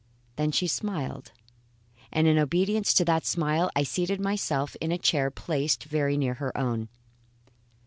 Then she smiled, and in obedience to that smile I seated myself in a chair placed very near her own.